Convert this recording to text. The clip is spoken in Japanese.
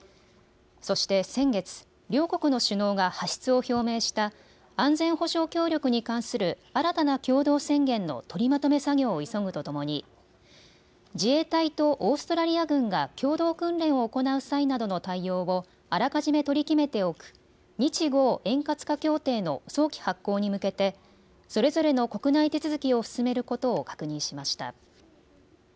そして先月、両国の首脳が発出を表明した安全保障協力に関する新たな共同宣言の取りまとめ作業を急ぐとともに自衛隊とオーストラリア軍が共同訓練を行う際などの対応をあらかじめ取り決めておく日・豪円滑化協定の早期発効に向けてそれぞれの国内手続きを進めることを確認しました。